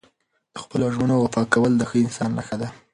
د خپلو ژمنو وفا کول د ښه انسان نښه ده.